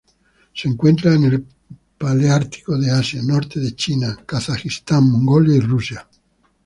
Se encuentran en el paleártico de Asia: norte de China, Kazajistán, Mongolia y Rusia.